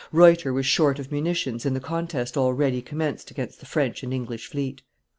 Ruyter was short of munitions in the contest already commenced against the French and English fleet.